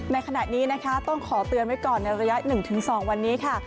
ในขณะนี้นะคะต้องขอเตือนไว้ก่อนในระยะ๑๒วันนี้ค่ะ